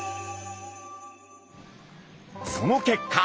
その結果！